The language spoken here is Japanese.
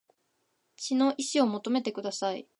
血の遺志を求めてください